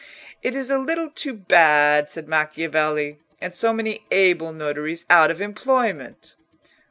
"It is a little too bad," said Macchiavelli, "and so many able notaries out of employment!"